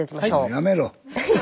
やめろ！